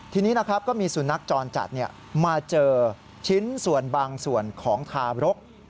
ทีนี้นะครับก็มีสุนัขจรจัดมาเจอชิ้นส่วนบางส่วนของทารก